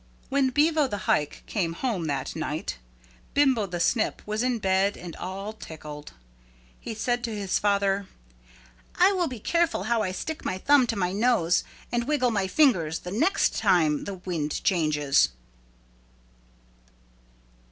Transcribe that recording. When Bevo the Hike got home that night Bimbo the Snip was in bed and all tickled. He said to his father, "I will be careful how I stick my thumb to my nose and wiggle my fingers the next time the wind changes."